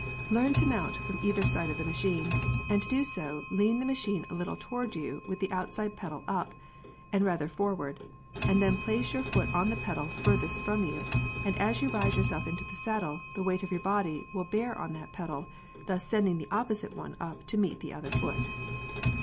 i> Learn to mount from either side of the machine, and to do so lean the machine a little toward you with the outside pedal up, and rather forward, then place your foot on the pedal furthest from you, and as you raise yourself into the saddle, the weight of your body will bear on that pedal, thus sending the opposite one up to meet the other foot.